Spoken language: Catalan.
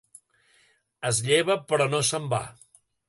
Es lleva però no se'n va.